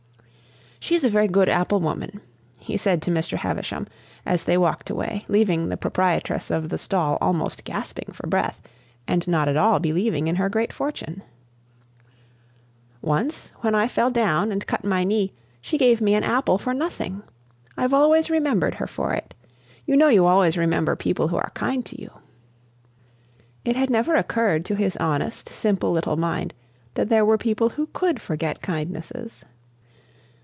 "She's a very good apple woman," he said to Mr. Havisham, as they walked away, leaving the proprietress of the stall almost gasping for breath, and not at all believing in her great fortune. "Once, when I fell down and cut my knee, she gave me an apple for nothing. I've always remembered her for it. You know you always remember people who are kind to you." It had never occurred to his honest, simple little mind that there were people who could forget kindnesses.